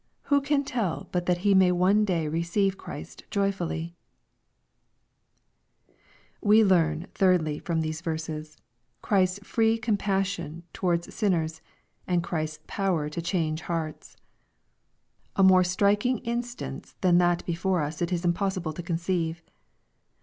Who can tell but that he may one day receive Christ joyfully ? We learn, thirdly, from these verses, Christ' 8 free com" passion towards sinners^ and Christ's power to change hearts. A more striking instance than that before us it is impossible to conceive.